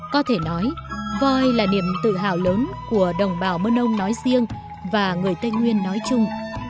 có thể nói voi là niềm tự hào lớn của đồng bào mân âu nói riêng và người tây nguyên nói chung